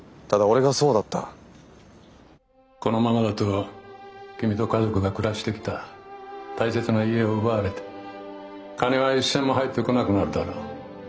このままだと君と家族が暮らしてきた大切な家を奪われて金は一銭も入ってこなくなるだろう。